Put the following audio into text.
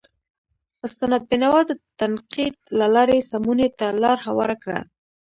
استناد بینوا د تنقید له لارې سمونې ته لار هواره کړه.